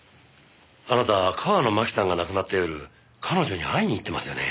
あなた川野麻紀さんが亡くなった夜彼女に会いに行ってますよね？